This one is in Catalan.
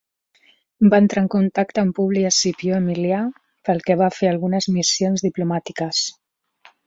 Va entrar en contacte amb Publi Escipió Emilià pel que va fer algunes missions diplomàtiques.